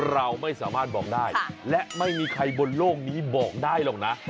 เราไม่สามารถบอกได้และไม่มีใครบนโลกนี้บอกได้หรอกนะ